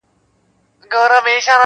مطربه ما دي په نغمه کي غزل وپېیله -